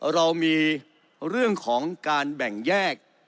เรามีเรื่องของการแบ่งแยก